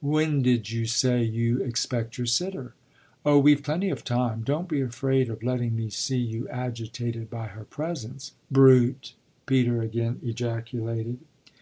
"When did you say you expect your sitter?" "Oh we've plenty of time; don't be afraid of letting me see you agitated by her presence." "Brute!" Peter again ejaculated.